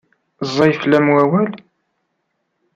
Ẓẓay fell-am wawal?